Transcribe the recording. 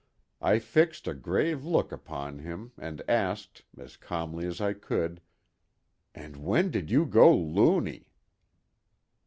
I fixed a grave look upon him and asked, as calmly as I could: "And when did you go luny?"